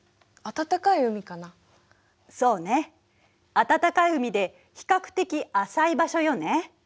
暖かい海で比較的浅い場所よね。